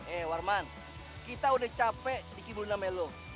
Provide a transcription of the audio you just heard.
eh warman kita udah capek bikin belum namelo